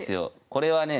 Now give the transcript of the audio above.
これはね